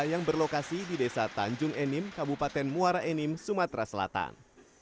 yang berlokasi di desa tanjung enim kabupaten muara enim sumatera selatan